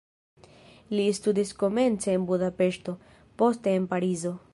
Li studis komence en Budapeŝto, poste en Parizo.